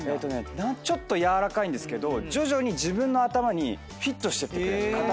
ちょっと軟らかいんですけど徐々に自分の頭にフィットしてってくれるんですよ。